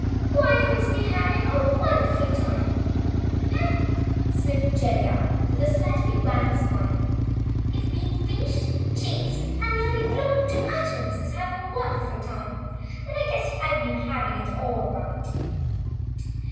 Why, you must be having a wonderful time!" "Humph!" sniffed Jellia, with a slightly wan smile. "If being pinched, chased and nearly blown to atoms is having a wonderful time, then I guess I've been having it all right!"